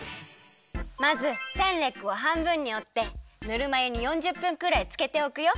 まずセンレックをはんぶんにおってぬるま湯に４０分くらいつけておくよ。